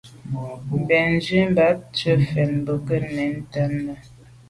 Bènzwi bat tshùa mfèn bo nke nèn ntàne.